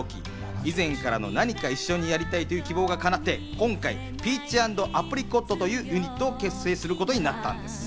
以前からの何か一緒にやりたいという希望がかなって今回、Ｐｅａｃｈ＆Ａｐｒｉｃｏｔというユニットを結成することになったんです。